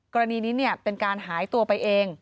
กรณีนี้เป็นการหายตัวไปเอง